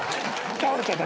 倒れちゃった。